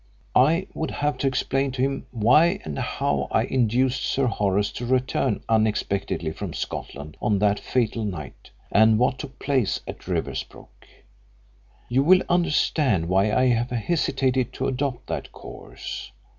I would have to explain to him why and how I induced Sir Horace to return unexpectedly from Scotland on that fatal night, and what took place at Riversbrook. You will understand why I have hesitated to adopt that course.